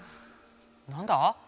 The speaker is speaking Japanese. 何だ？